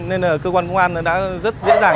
nên là cơ quan công an đã rất dễ dàng